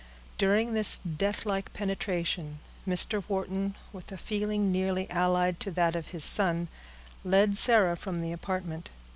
During this, deathlike preparation, Mr. Wharton, with a feeling nearly allied to that of his son, led Sarah from the apartment.